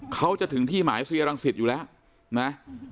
เขาจะถึงที่หมายเซียรังสิตอยู่แล้วนะ